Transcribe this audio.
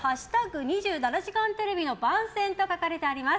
「＃２７時間テレビの番宣」と書かれております。